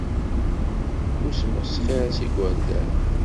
Ur smesxir s yigerdan.